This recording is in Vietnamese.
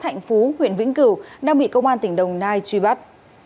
thạnh phú huyện vĩnh cửu đang bị công an tỉnh đồng nai truy bắt